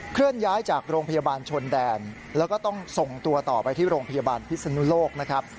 เคลื่อนย้ายจากโรงพยาบาลชนแดนแล้วก็ต้องส่งตัวต่อไปที่โรงพยาบาลพิศนุโลกนะครับ